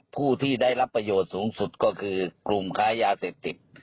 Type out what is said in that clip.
ผู้ที่ได้รับประโยชน์สูงสุดก็คือกลุ่มค้ายาเสพติด